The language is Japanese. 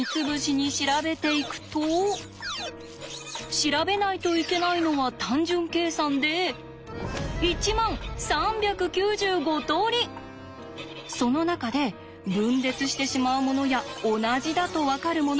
調べないといけないのは単純計算でその中で分裂してしまうものや同じだと分かるもの